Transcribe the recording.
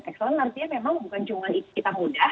excellent artinya memang bukan cuma kita mudah